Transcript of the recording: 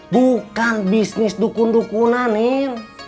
bukan bisnis dukun dukunanin